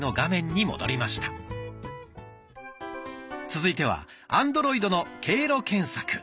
続いてはアンドロイドの経路検索。